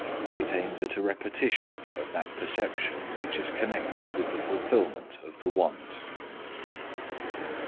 _ it aims at a repetition of that perception which is connected with the fulfillment of the want.